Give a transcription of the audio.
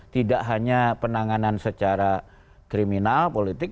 tidak hanya penanganan secara kriminal politik